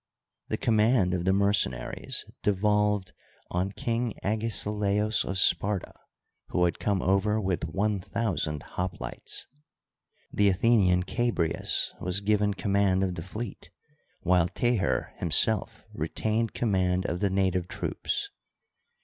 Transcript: . The command of the mercenaries devolved on King Agesilaos of Sparta, who had come over with one thousand hoplites. The Athenian Chabrias was given command of the fleet, while Teher himself retained command .of the native troops.